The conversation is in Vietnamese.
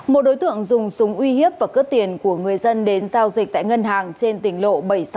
một đối tượng dùng súng uy hiếp và cướp tiền của người dân đến giao dịch tại ngân hàng trên tỉnh lộ bảy trăm sáu mươi